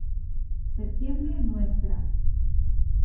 Septiembre: Ntra.